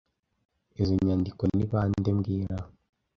Izoi nyandiko ni bande mbwira